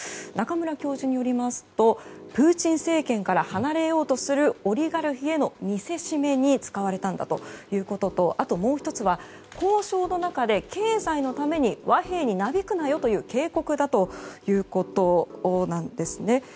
中村教授によりますとプーチン政権から離れようとするオリガルヒへの見せしめに使われたんだということとあともう１つは交渉の中で経済のために和平になびくなよという警告だということなんです。